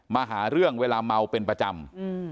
มาหาเรื่องเวลาเมาเป็นประจำ